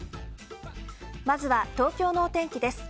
まずは東京のお天気です。